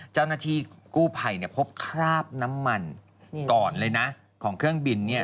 เจ้าหน้าที่กู้ไผ่พบคราบน้ำมันก่อนเลยนะของเครื่องบิน